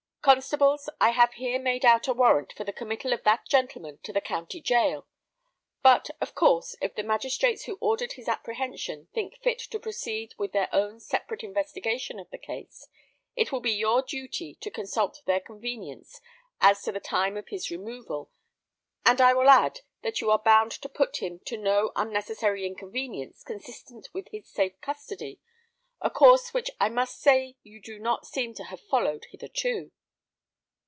Constables, I have here made out a warrant for the committal of that gentleman to the county jail; but of course, if the magistrates who ordered his apprehension think fit to proceed with their own separate investigation of the case, it will be your duty to consult their convenience as to the time of his removal; and I will add, that you are bound to put him to no unnecessary inconvenience consistent with his safe custody, a course which I must say you do not seem to have followed hitherto."